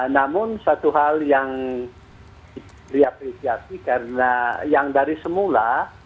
namun satu hal yang diapresiasi karena yang dari semula